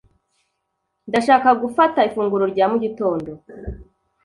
Ndashaka gufata ifunguro rya mu gitondo